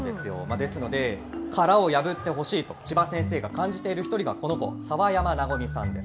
ですので、殻を破ってほしいと、千葉先生が感じている１人がこの子、澤山和心さんです。